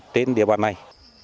trên địa bàn này